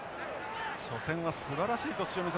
初戦はすばらしい突進を見せました。